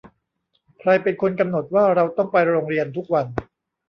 ใครเป็นคนกำหนดว่าเราต้องไปโรงเรียนทุกวัน